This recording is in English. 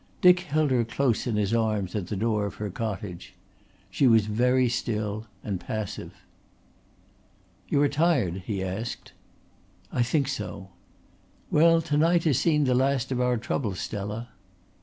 Dick held her close in his arms at the door of her cottage. She was very still and passive. "You are tired?" he asked. "I think so." "Well, to night has seen the last of our troubles, Stella."